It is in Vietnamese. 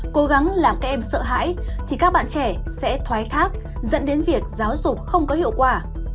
cố gắng làm các em sợ hãi thì các bạn trẻ sẽ thoái thác dẫn đến việc giáo dục không có hiệu quả